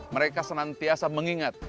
mereka senantiasa mengingat